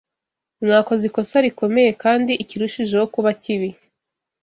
mwakoze ikosa rikomeye; kandi ikirushijeho kuba kibi